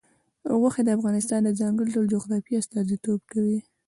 غوښې د افغانستان د ځانګړي ډول جغرافیه استازیتوب کوي.